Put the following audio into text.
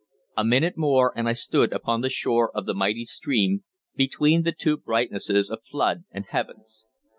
A minute more and I stood upon the shore of the mighty stream, between the two brightnesses of flood and heavens.